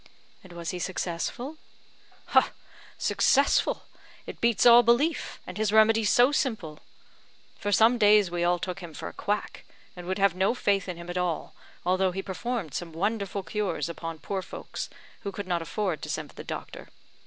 "And was he successful?" "Successful! It beats all belief; and his remedy so simple! For some days we all took him for a quack, and would have no faith in him at all, although he performed some wonderful cures upon poor folks, who could not afford to send for the doctor.